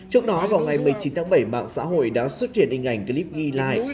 trước đó vào ngày một mươi chín tháng bảy mạng xã hội đã xuất hiện hình ảnh clip ghi lại